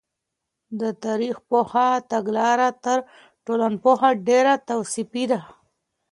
د تاریخ پوه تګلاره تر ټولنپوه ډېره توصیفي ده.